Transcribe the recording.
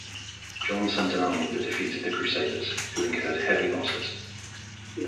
John sent an army that defeated the crusaders, who incurred heavy losses.